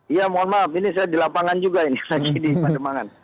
iya mohon maaf ini saya di lapangan juga ini lagi di pademangan